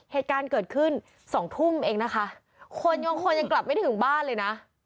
เหตุการณ์เกิดขึ้นสองทุ่มเองนะคะคนยังคนยังกลับไม่ถึงบ้านเลยนะ